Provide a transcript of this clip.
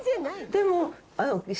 でも。